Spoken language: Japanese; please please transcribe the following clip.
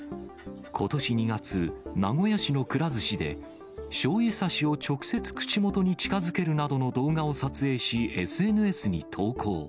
ことし２月、名古屋市のくら寿司で、しょうゆさしを直接口元に近づけるなどの動画を撮影し、ＳＮＳに投稿。